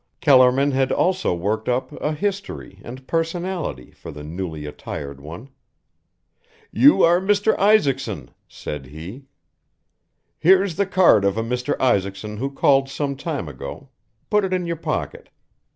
Kellerman had also worked up a history and personality for the newly attired one. "You are Mr. Isaacson," said he. "Here's the card of a Mr. Isaacson who called some time ago, put it in your pocket.